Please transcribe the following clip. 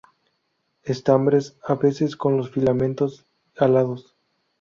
Estambres a veces con los filamentos alados.